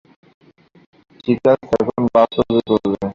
ঠিকাছে, এখন বাস্তবে করবে।